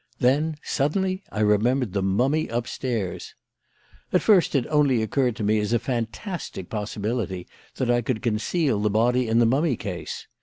Then, suddenly, I remembered the mummy upstairs. "At first it only occurred to me as a fantastic possibility that I could conceal the body in the mummy case.